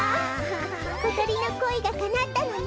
ことりのこいがかなったのね。